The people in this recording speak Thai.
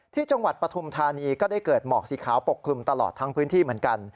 ปฐุมธานีก็ได้เกิดหมอกสีขาวปกคลุมตลอดทั้งพื้นที่เหมือนกัน